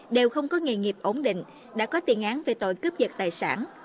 đều không có nghề nghiệp ổn định đã có tiền án về tội cướp giật tài sản